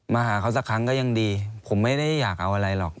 มาหาเขาสักครั้งก็ยังดีผมไม่ได้อยากเอาอะไรหรอก